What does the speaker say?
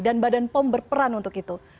dan badan pom berperan untuk itu